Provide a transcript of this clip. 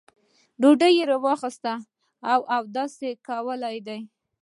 ډوډۍ را اخیستل او اودس کول دي.